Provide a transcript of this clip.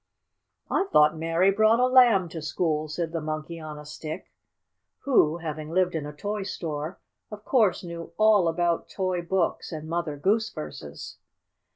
"I thought Mary brought a lamb to school," said the Monkey on a Stick, who, having lived in a toy store, of course knew all about toy books and Mother Goose verses.